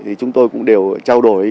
thì chúng tôi cũng đều trao đổi